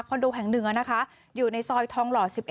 โดแห่งหนึ่งนะคะอยู่ในซอยทองหล่อ๑๑